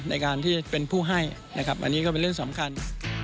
ในการที่เป็นผู้ให้นะครับอันนี้ก็เป็นเรื่องสำคัญ